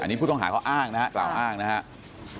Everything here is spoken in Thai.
อันนี้ผู้ต้องหาเขาอ้างนะครับกล่าวอ้างนะครับ